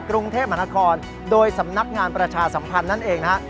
กรุงเทพมหานครโดยสำนักงานประชาสัมพันธ์นั่นเองนะฮะ